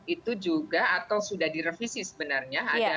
itu juga atau sudah direvisi sebenarnya